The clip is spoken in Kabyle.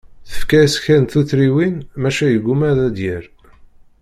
Tefka-yas kra n tuttriwin, maca yegguma ad d-yerr.